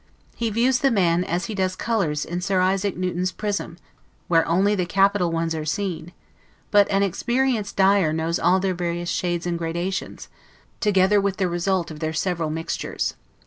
He views man as he does colors in Sir Isaac Newton's prism, where only the capital ones are seen; but an experienced dyer knows all their various shades and gradations, together with the result of their several mixtures.